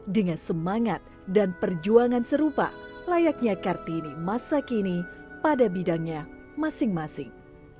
dengan semangat dan perjuangan serupa layaknya kartini masa kini pada bidangnya masing masing